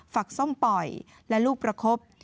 ฝักซ่อมปล่อยและรูปประคบ